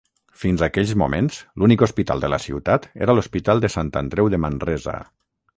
Fins aquells moments, l'únic hospital de la ciutat era l'Hospital de Sant Andreu de Manresa.